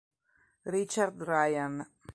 Richard Ryan